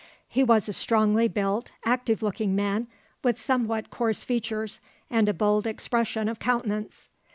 He was a strongly built, active looking man, with somewhat coarse features and a bold expression of countenance.